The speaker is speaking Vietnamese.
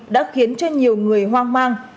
đã khiến cho nhiều người hoang mang